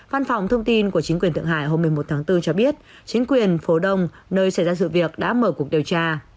văn phòng thông tin của chính quyền thượng hải hôm một mươi một tháng bốn cho biết chính quyền phố đông nơi xảy ra sự việc đã mở cuộc điều tra